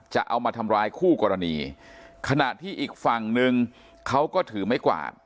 จะเอามาทำร้ายคู่กรณีขณะที่อีกฝั่งนึงเขาก็ถือไม้กวาด